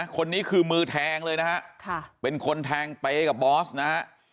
คนนี้คือมือแทงเลยนะฮะเป็นคนแทงเป๊กับบอสนะฮะ